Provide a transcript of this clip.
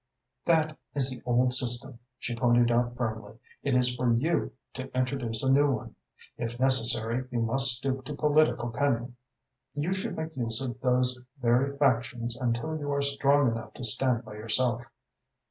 "That is the old system," she pointed out firmly. "It is for you to introduce a new one. If necessary, you must stoop to political cunning. You should make use of those very factions until you are strong enough to stand by yourself.